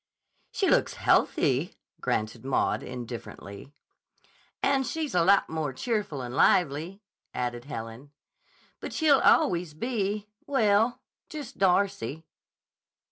"She looks healthy," granted Maud indifferently. "And she's a lot more cheerful and lively," added Helen. "But she'll always be—well, just Darcy."